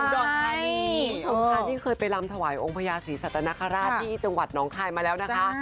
คุณสมค้าที่เคยไปรำถวายองค์พระยาศีสัตนคราชที่จังหวัดน้องไทยมาแล้วนะคะ